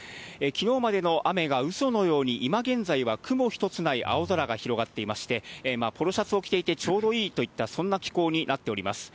きのうまでの雨がうそのように、今現在は雲一つない青空が広がっていまして、ポロシャツを着ていてちょうどいいといった、そんな気候になっております。